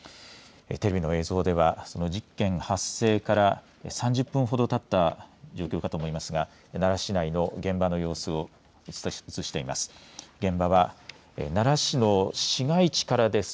テレビの映像ではその事件発生から３０分ほどたった、状況かと思いますが奈良市内の現場の様子を映しています。